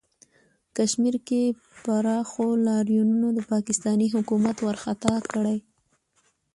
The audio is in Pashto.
کشمیر کې پراخو لاریونونو د پاکستانی حکومت ورخطا کړی